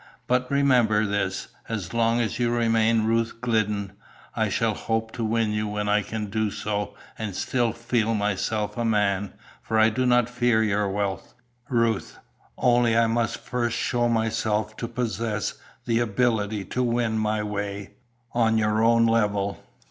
But, remember this, as long as you remain Ruth Glidden, I shall hope to win you when I can do so and still feel myself a man, for I do not fear your wealth, Ruth, only I must first show myself to possess the ability to win my way, on your own level."